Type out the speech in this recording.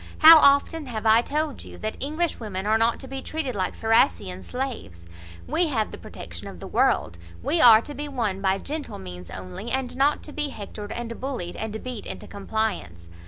How often have I told you that English women are not to be treated like Ciracessian[*] slaves. We have the protection of the world; we are to be won by gentle means only, and not to be hectored, and bullied, and beat into compliance.